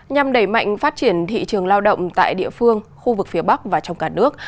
nhằm đẩy mạnh phát triển thị trường lao động tại địa phương khu vực phía bắc và trong cả nước